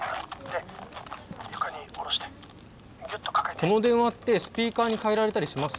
この電話ってスピーカーに替えられたりします？